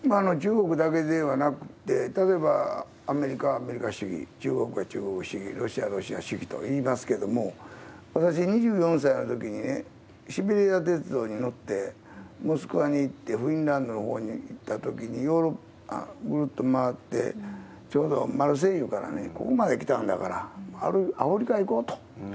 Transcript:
中国だけではなくて、例えばアメリカはアメリカ主義、中国は中国主義、ロシアはロシア主義といいますけれども、私、２４歳のときにシベリア鉄道に乗ってモスクワに行ってフィンランドのほうに行ったときに、ヨーロッパをぐるっと回って、ちょうどマルセイユからね、ここまで来たんだから、アフリカ行こうと。